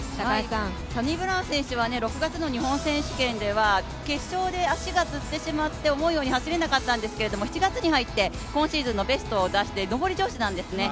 サニブラウン選手は６月の日本選手権では決勝で足がつってしまって思うように走れなかったんですけど、７月に入って今シーズンのベストを出して上り調子なんですね。